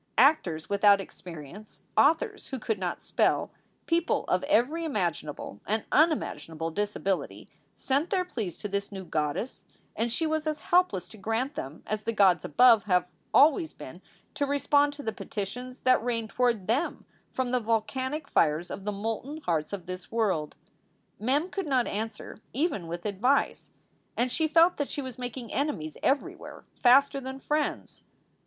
Actors without experience, authors who could not spell, people of every imaginable and unimaginable disability, sent their pleas to this new goddess, and she was as helpless to grant them as the gods above have always been to respond to the petitions that rain toward them from the volcanic fires of the molten hearts of this world. Mem could not answer even with advice. And she felt that she was making enemies everywhere faster than friends.